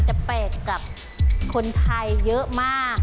แปลกกับคนไทยเยอะมาก